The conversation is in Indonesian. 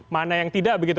mana yang tidak begitu